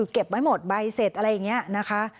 เก็บไว้หมดใบเสร็จอะไรอย่างนี้นะคะ